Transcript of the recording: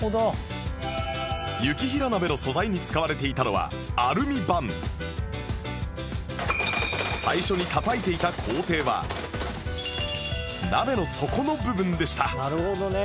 行平鍋の素材に使われていたのはアルミ板最初にたたいていた工程は鍋の底の部分でした